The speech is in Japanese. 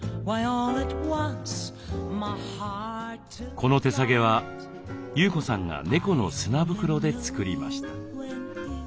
この手提げは優子さんが猫の砂袋で作りました。